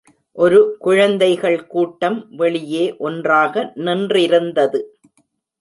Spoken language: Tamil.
ஒரு குழந்தைகள் கூட்டம் வெளியே ஒன்றாக நின்றிருந்தது.